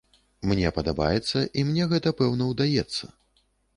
Мне падабаецца, і мне гэта, пэўна, удаецца.